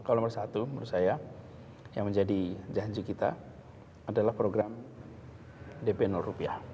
kalau nomor satu menurut saya yang menjadi janji kita adalah program dp rupiah